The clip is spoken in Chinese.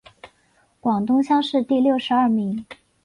广东乡试第六十二名。